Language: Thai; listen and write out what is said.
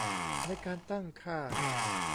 ใน การตั้งค่า